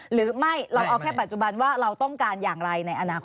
หรือไม่เราเอาแค่ปัจจุบันว่าเราต้องการอย่างไรในอนาคต